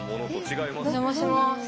お邪魔します。